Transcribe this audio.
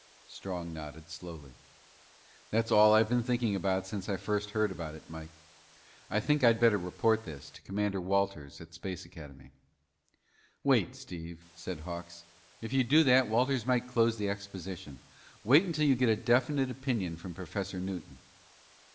Strong nodded slowly. "That's all I've been thinking about since I first heard about it, Mike. I think I'd better report this to Commander Walters at Space Academy." "Wait, Steve," said Hawks. "If you do that, Walters might close the exposition. Wait until you get a definite opinion from Professor Newton."